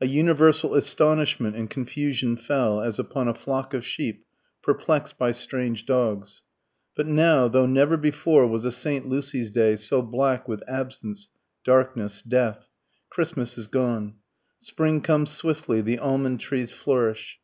A universal astonishment and confusion fell, as upon a flock of sheep perplexed by strange dogs. But now, though never before was a St. Lucy's Day so black with "absence, darkness, death," Christmas is gone. Spring comes swiftly, the almond trees flourish.